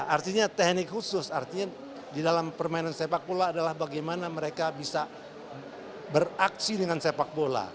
artinya teknik khusus artinya di dalam permainan sepak bola adalah bagaimana mereka bisa beraksi dengan sepak bola